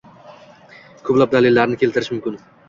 Koʻplab dalillarni keltirish mumkin.